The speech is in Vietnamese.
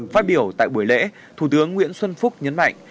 phát biểu tại buổi lễ thủ tướng nguyễn xuân phúc nhấn mạnh